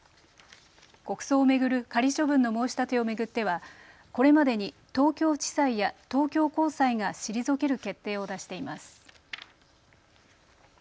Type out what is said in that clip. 国葬を巡る仮処分の申し立てを巡ってはこれまでに東京地裁や東京高裁が退ける決定を出しています。